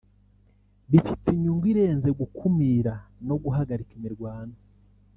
bifite inyungu irenze gukumira no guhagarika imirwano